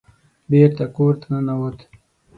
بېرته کور ته ننوت.